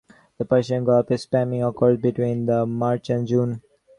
In the Persian Gulf spawning occurs between March and June.